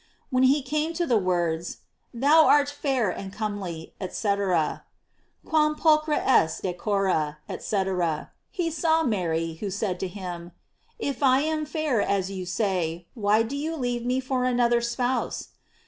When he carne to the words: Thou art fair and comely, &c. : "Quam pulchra es et decora," <fcc., he saw Mary, who said to him: "If I am fair as you say, why do you leave me for another spouse?